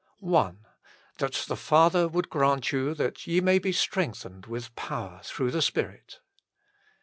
I That the Father would grant you that ye may be strengthened with power through the Spirit.